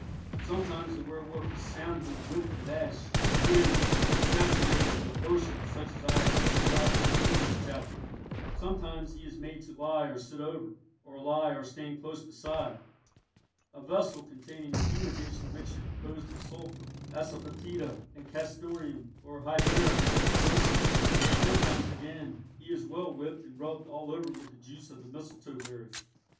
Sometimes the werwolf is soundly whipped with ash twigs, and saturated with a potion such as I described in a previous chapter; sometimes he is made to lie or sit over, or lie or stand close beside, a vessel containing a fumigation mixture composed of sulphur, asafœtida, and castoreum, or hypericum and vinegar; or sometimes, again, he is well whipped and rubbed all over with the juice of the mistletoe berry.